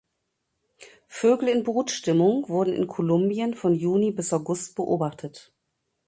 Vögel in Brutstimmung wurden in Kolumbien von Juni bis August beobachtet.